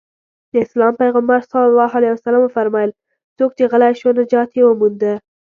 د اسلام پيغمبر ص وفرمايل څوک چې غلی شو نجات يې ومونده.